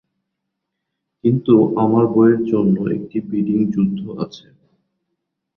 কিন্তু আমার বইয়ের জন্য একটি বিডিং যুদ্ধ আছে।